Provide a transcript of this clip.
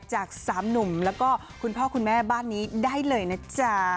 จาก๓หนุ่มแล้วก็คุณพ่อคุณแม่บ้านนี้ได้เลยนะจ๊ะ